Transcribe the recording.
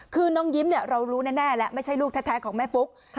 คือน้องยิ้มเรารู้แน่แล้วไม่ใช่ลูกแท้ของแม่ปุ๊ก